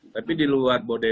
tapi di luar bodepok